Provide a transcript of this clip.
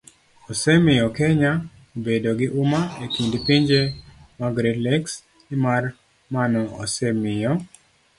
osemiyo Kenya obedo gi huma e kind pinje mag Great Lakes, nimar mano osemiyo